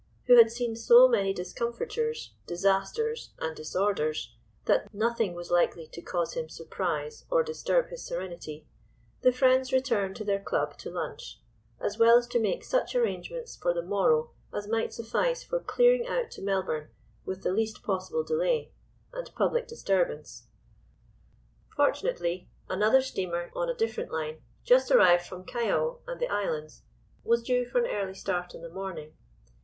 who had seen so many discomfitures, disasters, and disorders, that nothing was likely to cause him surprise or disturb his serenity, the friends returned to their club to lunch, as well as to make such arrangements for the morrow as might suffice for clearing out to Melbourne with the least possible delay and public disturbance. Fortunately, another steamer on a different line, just arrived from Callao and the Islands, was due for an early start in the morning.